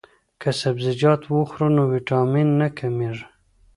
که سبزیجات وخورو نو ویټامین نه کمیږي.